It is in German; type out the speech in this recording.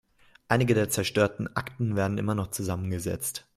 Einige der zerstörten Akten werden immer noch zusammengesetzt.